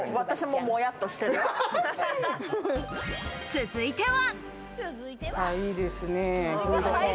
続いては。